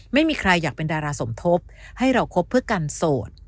ไม่มีใครอยากเป็นดาราสมทบให้เราคบเพื่อกันโสด